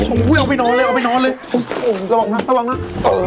โอ้ยเอาไปนอนเลยเอาไปนอนเลยโอ้ยระวังนะระวังนะ